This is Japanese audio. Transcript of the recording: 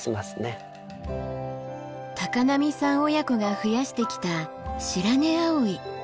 波さん親子が増やしてきたシラネアオイ。